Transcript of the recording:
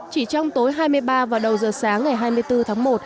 chỉ trong tối hai mươi ba và đầu giờ sáng ngày hai mươi bốn tháng một